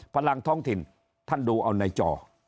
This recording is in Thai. พลังท้องถิ่นท่านดูเอาในจอ